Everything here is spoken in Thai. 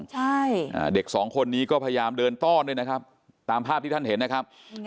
ใช่อ่าเด็กสองคนนี้ก็พยายามเดินต้อนด้วยนะครับตามภาพที่ท่านเห็นนะครับ